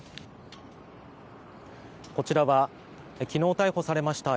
こちらは昨日逮捕されました